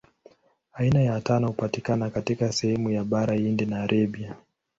Aina ya tano hupatikana katika sehemu ya Bara Hindi na Arabia.